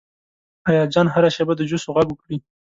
ایاز جان هره شیبه د جوسو غږ وکړي.